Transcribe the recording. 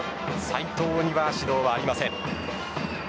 斉藤には指導はありません。